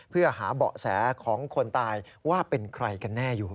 เพื่อหาเบาะแสของคนตายว่าเป็นใครกันแน่อยู่